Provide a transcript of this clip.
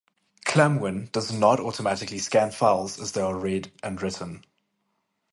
ClamWin does not automatically scan files as they are read and written.